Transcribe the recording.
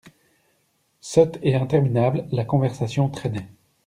Sotte et interminable, la conversation traînait.